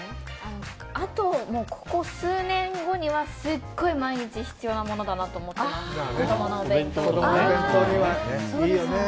あとここ数年後にはすごい毎日必要なものだなと思っています。